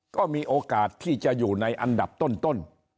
ก็มีโอกาสที่จะอยู่ในอันดับต้น